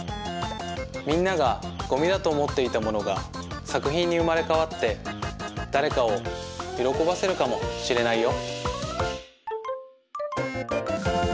みんながごみだとおもっていたものがさくひんにうまれかわってだれかをよろこばせるかもしれないよ。